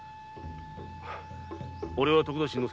俺は徳田新之助。